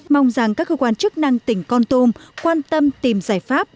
mong rằng các cơ quan chức năng tỉnh con tum quan tâm tìm giải pháp